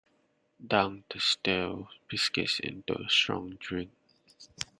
Dunk the stale biscuits into strong drink.